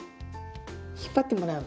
引っ張ってもらう。